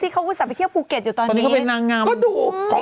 ทุนที่เดียวครึ่งไม่นางงามดูต้อง